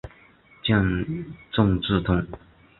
见正字通。